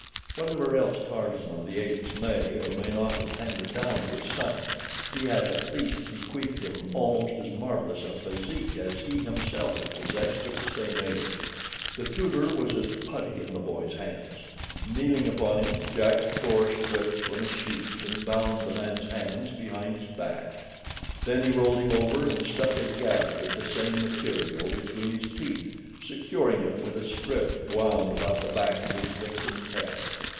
Whatever else Tarzan of the Apes may or may not have handed down to his son he had at least bequeathed him almost as marvelous a physique as he himself had possessed at the same age. The tutor was as putty in the boy's hands. Kneeling upon him, Jack tore strips from a sheet and bound the man's hands behind his back. Then he rolled him over and stuffed a gag of the same material between his teeth, securing it with a strip wound about the back of his victim's head.